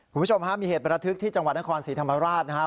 คุณผู้ชมฮะมีเหตุประทึกที่จังหวัดนครศรีธรรมราชนะครับ